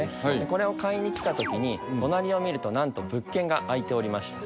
これを買いに来た時に隣を見るとなんと物件が空いておりました